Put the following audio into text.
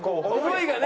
思いがね。